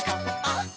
「あっ！